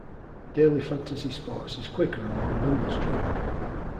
Daily fantasy sports is quicker and more numbers-driven.